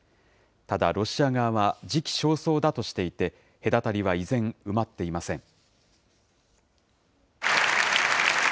ただ、ロシア側は時期尚早だとしていて、隔たりは依然、埋まっていません。